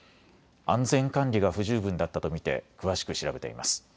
安全管理が不十分だったと見て詳しく調べています。